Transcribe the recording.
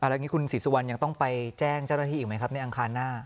แล้วอย่างนี้คุณศรีสุวรรณยังต้องไปแจ้งเจ้าหน้าที่อีกไหมครับในอังคารหน้า